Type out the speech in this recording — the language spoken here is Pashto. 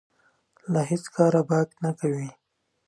له هېڅ کاره باک نه کوي.